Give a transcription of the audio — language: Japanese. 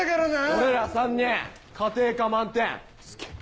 俺ら３人家庭科満点すげー